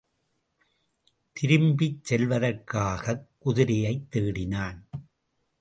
திரும்பிச் செல்வதற்காகக் குதிரையைத் தேடினான்.